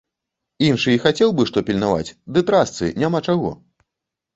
Іншы і хацеў бы што пільнаваць, ды трасцы, няма чаго!